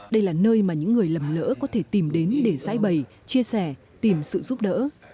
đây là nơi mà những người lầm lỡ có thể tìm đến để giải bày chia sẻ tìm sự giúp đỡ